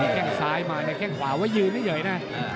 ได้แข่งซ้ายมาเครียญ์แข่งขวาก็ยืนเยอะนะ